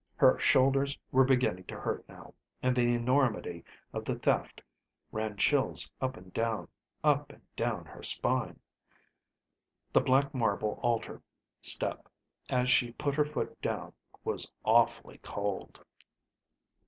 Her shoulders were beginning to hurt now, and the enormity of the theft ran chills up and down, up and down her spine. The black marble altar step as she put her foot down was awfully cold.